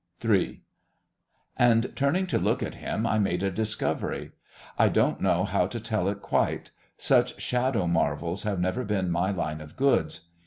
3 And, turning to look at him, I made a discovery. I don't know how to tell it quite; such shadowy marvels have never been my line of goods.